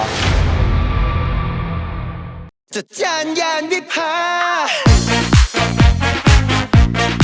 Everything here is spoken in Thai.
ผู้หญิงด้วยน่ะเหรอ